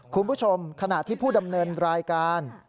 คุณผู้ชมขณะที่ผู้ดำเนินรายการ